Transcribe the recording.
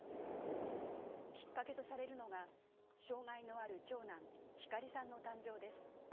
きっかけとされるのが、障害のある長男・光さんの誕生です。